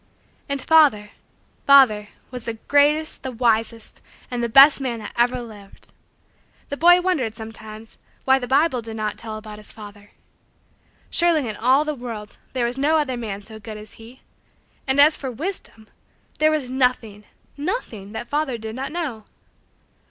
And father father was the greatest, the wisest, and the best man that ever lived. The boy wondered, sometimes, why the Bible did not tell about his father. Surely, in all the world, there was no other man so good as he. And, as for wisdom! There was nothing nothing that father did not know!